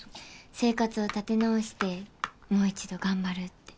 生活を立て直してもう一度頑張るって。